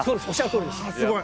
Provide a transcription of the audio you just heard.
あすごい。